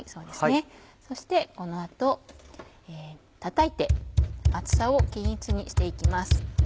そしてこの後叩いて厚さを均一にして行きます。